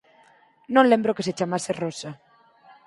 Non lembro que se chamase Rosa.